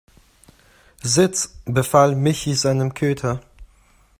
Sitz!, befahl Michi seinem Köter.